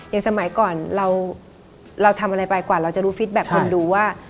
อย่างสมรรยาก่อนเราเราทำอะไรไปกว่าเราจะรู้ความรู้สัมผัสคนดูว่า